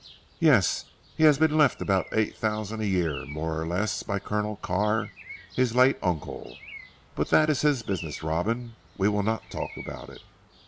"Yes! He has been left about eight thousand a year more or less by Colonel Carr, his late uncle. But that is his business Robin. We will not talk about it."